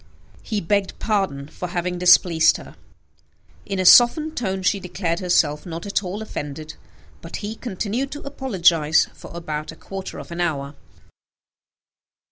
He begged pardon for having displeased her. In a softened tone she declared herself not at all offended; but he continued to apologize for about a quarter of an hour.